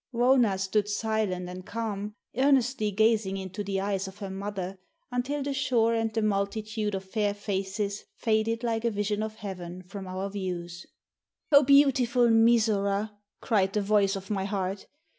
Wauna stood silent and calm, earnestly gazing into the eyes of her mother, until the shore and the multitude of fair faces faded like a vision of heaven from our views. "O beautiful Mizora!" cried the voice of my heart.